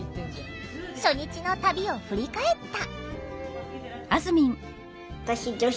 初日の旅を振り返った。